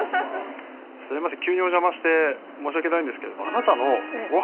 すみません急にお邪魔して申し訳ないんですけれども。